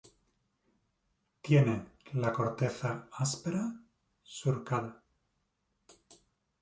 Tiene la corteza áspera, surcada.